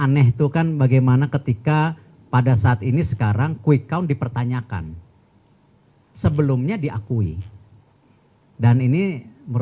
aneh kukan bagaimana ketika pada saat ini sekarang key kao dipertanyakan sebelumnya diakui lima din ini mon